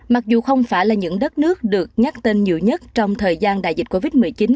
mặc dù không phải là những đất nước được nhắc tên nhiều nhất trong thời gian đại dịch covid một mươi chín